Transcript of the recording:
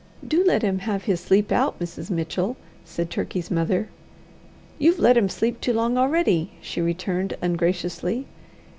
"Do let him have his sleep out, Mrs. Mitchell," said Turkey's mother. "You've let him sleep too long already," she returned, ungraciously.